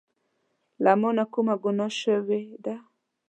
له مانه کومه ګناه شوي ده